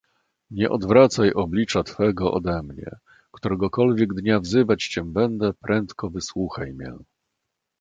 Nie odwracaj oblicza Twego odemnie: któregokolwiek dnia wzywać Cię będę, prędko wysłuchaj mię.